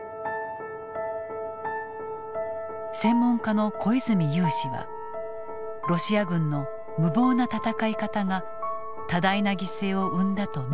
専門家の小泉悠氏はロシア軍の無謀な戦い方が多大な犠牲を生んだと見ている。